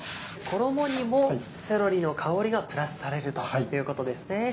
衣にもセロリの香りがプラスされるということですね。